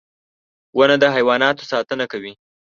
• ونه د حیواناتو ساتنه کوي.